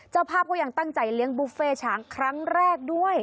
เจ้าภาพก็ยังตั้งใจเลี้ยงบุฟเฟ่ช้างครั้งแรกด้วย